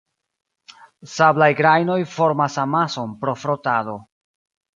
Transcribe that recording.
Sablaj grajnoj formas amason pro frotado.